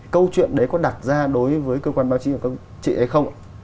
câu chuyện đấy có đặt ra đối với cơ quan báo chí của chị ấy không